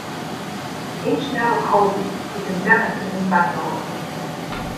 "H. nabokovi" is endemic to Hispaniola.